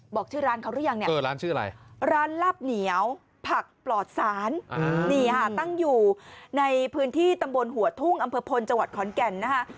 บอกชื่อร้านเขาหรือยังเนี่ยร้านลาบเหนียวผักปลอดสารตั้งอยู่ในพื้นที่ตำบลหัวทุ่งอำเภพลจังหวัดขอนแก่นนะฮะ